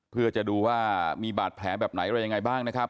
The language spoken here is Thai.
เพื่อจะดูว่ามีบาดแผลแบบไหนอะไรยังไงบ้างนะครับ